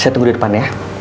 saya tunggu di depan ya